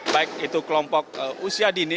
baik itu kelompok usia dini